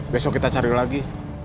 besok kita cari lagi